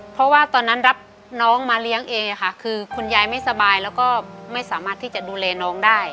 เพราะว่าตอนนั้นรับน้องมาเลี้ยงเองค่ะคือคุณยายไม่สบายแล้วก็ไม่สามารถที่จะดูแลน้องได้